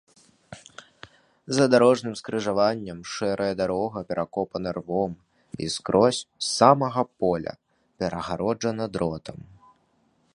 За дарожным скрыжаваннем шэрая дарога перакапана ровам і скрозь, з самага поля, перагароджана дротам.